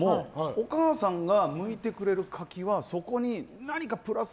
お母さんがむいてくれる柿はそこに何かプラス